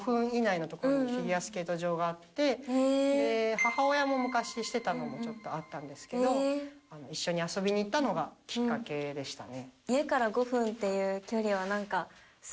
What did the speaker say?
母親も昔していたのもちょっとあったんですけど一緒に遊びに行ったのがきっかけでしたね。